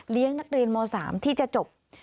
เลี้ยงนักเรียนม๓ที่จะจบ